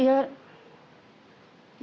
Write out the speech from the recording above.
saya tidak ingin